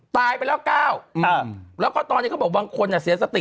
ตายไปแล้ว๙แล้วก็ตอนนี้เขาบอกบางคนเสียสติ